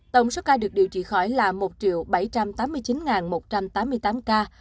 tổng số ca được điều trị khỏi là một bảy trăm tám mươi chín một trăm tám mươi tám ca